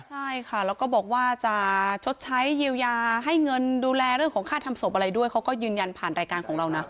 ใช่ค่ะแล้วก็บอกว่าจะชดใช้เยียวยาให้เงินดูแลเรื่องของค่าทำศพอะไรด้วยเขาก็ยืนยันผ่านรายการของเรานะ